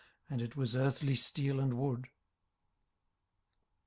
And it was earthly steel and wood.